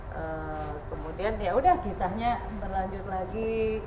kemudian ya udah kisahnya berlanjut lagi